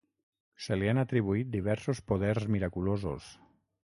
Se li han atribuït diversos poders miraculosos.